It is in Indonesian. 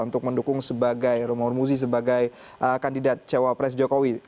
untuk mendukung sebagai romo ormuzi sebagai kandidat cewek pres jokowi